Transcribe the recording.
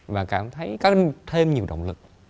và cảm thấy có thêm nhiều động lực